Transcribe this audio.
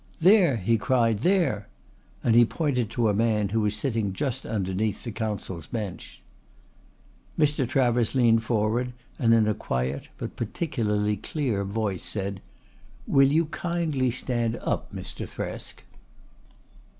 "There," he cried, "there!" and he pointed to a man who was sitting just underneath the counsel's bench. Mr. Travers leant forward and in a quiet but particularly clear voice said: "Will you kindly stand up, Mr. Thresk?"